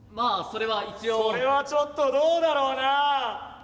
それはちょっとどうだろうな。